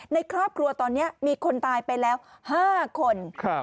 ในครอบครัวตอนนี้มีคนตายไปแล้ว๕คน